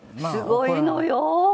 すごいのよ。